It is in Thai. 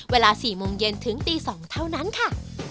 เวลา๔โมงเย็นถึงตี๒เท่านั้นค่ะ